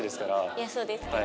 いやそうですけど。